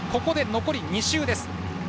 残り２周です。